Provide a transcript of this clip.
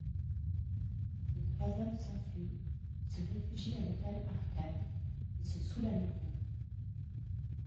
Les trois hommes s'enfuient, se réfugient à l'hôtel Arcade, et se soûlent à nouveau.